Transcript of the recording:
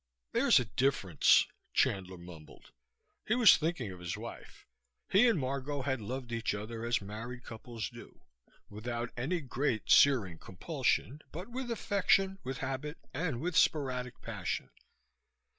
"There's a difference," Chandler mumbled. He was thinking of his wife. He and Margot had loved each other as married couples do without any very great, searing compulsion; but with affection, with habit and with sporadic passion.